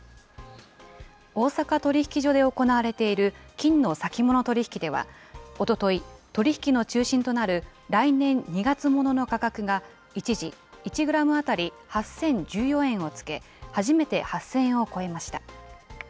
大阪取引所で行われている金の先物取引では、おととい、取り引きの中心となる来年２月ものの価格が、一時、１グラム当たり８０１４円をつけ、初めて８０００円を超えました。